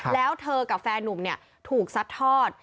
แล้วเธอกับแฟนนุ่มถูกซัดทอด